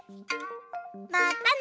またね！